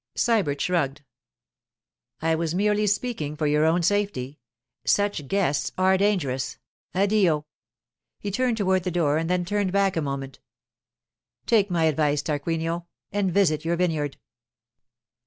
Sybert shrugged. 'I was merely speaking for your own safety. Such guests are dangerous. Addio.' He turned toward the door, and then turned back a moment. 'Take my advice, Tarquinio, and visit your vineyard.